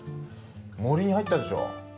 森に入ったでしょ？